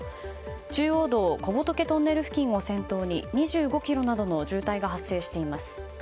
中央道小仏トンネル付近を先頭に２５ｋｍなどの渋滞が発生しています。